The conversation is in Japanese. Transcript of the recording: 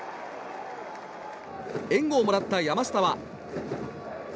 援護をもらった山下は。